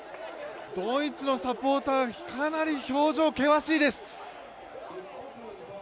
ドイツのサポーターかなり表情、険しいです。